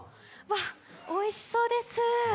おいしそうです。